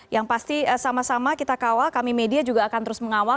yang pasti sama sama kita kawal kami media juga akan terus mengawal